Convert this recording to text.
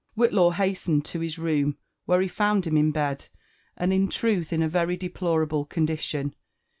Whitlaw hastened to his room, where he found him in bed, aod in truth in a very deplorable condition.